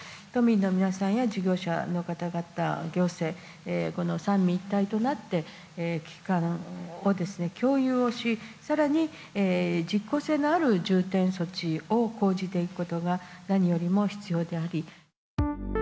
都民の皆さんや事業者の方々、行政、この三位一体となって、危機感を共有をし、さらに、実効性のある重点措置を講じていくことが何よりも必要であり。